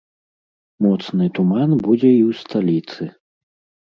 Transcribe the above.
Моцны туман будзе і ў сталіцы.